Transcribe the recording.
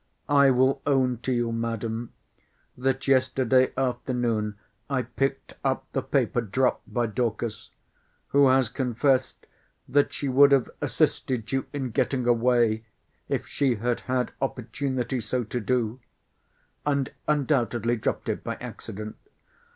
I will own to you, Madam, that yesterday afternoon I picked up the paper dropt by Dorcas; who has confessed that she would have assisted you in getting away, if she had had opportunity so to do; and undoubtedly dropped it by accident.